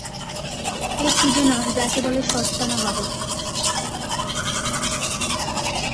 একটু যেন –যাকে বলে সস্তা নবাবি।